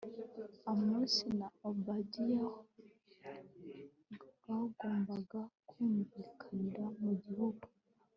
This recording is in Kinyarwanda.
Amosi na Obadiya kwagombaga kumvikanira mu gihugu